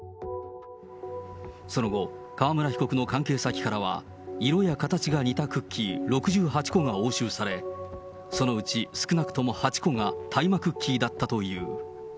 その後、川村被告の関係先からは、色や形が似たクッキー６８個が押収され、そのうち少なくとも８個が大麻クッキーだったという。